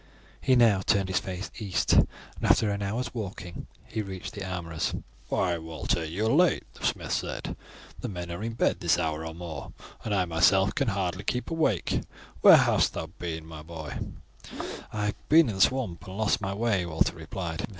He now turned his face east, and after an hour's walking he reached the armourer's. "Why, Walter, you are late," the smith said. "The men are in bed this hour or more, and I myself can scarce keep awake. Where hast thou been, my boy?" "I have been in the swamps and lost my way," Walter replied.